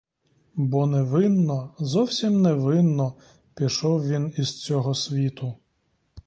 Бо невинно, зовсім невинно пішов він із цього світу.